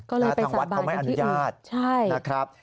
ก็เลยไปสาบานที่อื่นใช่นะครับทางวัดเขาไม่อนุญาต